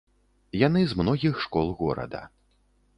Яны з многіх школ горада.